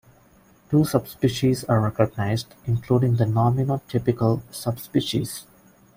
Two subspecies are recognized, including the nominotypical subspecies.